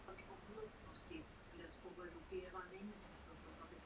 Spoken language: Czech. Souhlasím se zpravodajkou, že musíme zvolit vhodnější legislativní opatření.